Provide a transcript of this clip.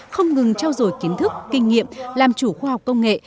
không ngừng trao dồi kiến thức kinh nghiệm làm chủ khoa học công nghệ